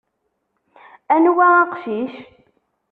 Anwa aqcic?